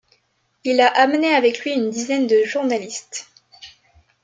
Il a amené avec lui une dizaine de journalistes.